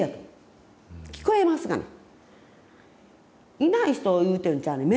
いない人を言うてるんちゃうねん。